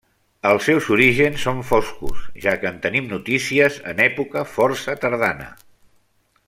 Els seus orígens són foscos, ja que en tenim notícies en època força tardana.